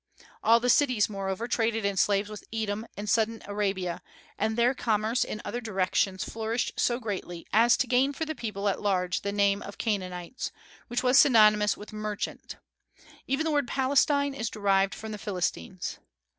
All the cities, moreover, traded in slaves with Edom and southern Arabia, and their commerce in other directions flourished so greatly as to gain for the people at large the name of Canaanites, which was synonymous with 'merchant,' Even the word 'Palestine' is derived from the Philistines.